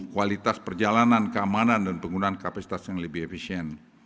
kualitas perjalanan keamanan dan penggunaan kapasitas yang lebih efisien